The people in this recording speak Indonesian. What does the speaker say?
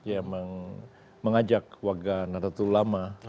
yang mengajak keluarga natatul ulama